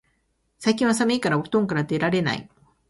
最近は寒いからお布団から出られない